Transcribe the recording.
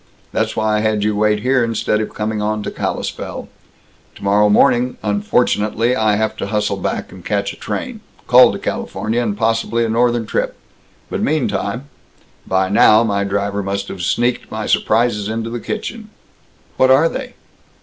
That's why I had you wait here instead of coming on to Kalispell. Tomorrow morning, unfortunately, I have to hustle back and catch a train called to California, and possibly a northern trip. But meantime By now, my driver must have sneaked my s'prises into the kitchen." "What are they?"